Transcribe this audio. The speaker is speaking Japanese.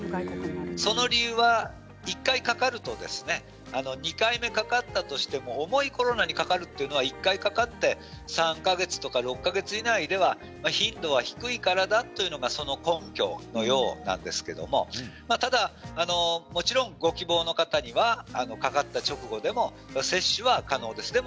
その理由は１回かかると２回目かかったとしても重いコロナにかかるのは１回かかって３か月とか６か月以内では頻度は低いからだというのがその根拠ではあるんですがただもちろんご希望の方にはかかった直後でも接種が可能です。